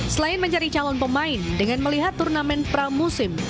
selain mencari calon pemain dengan melihat turnamen pramusim